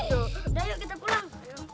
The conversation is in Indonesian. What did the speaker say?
udah yuk kita pulang